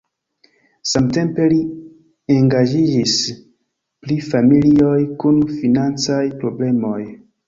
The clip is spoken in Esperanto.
Samtempe li engaĝiĝis pri familioj kun financaj problemoj.